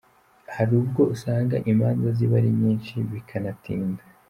Hari ubwo usanga imanza ziba ari nyinshi bikanatinda.